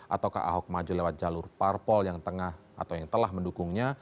ataukah ahok maju lewat jalur parpol yang tengah atau yang telah mendukungnya